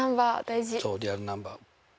そうリアルナンバー。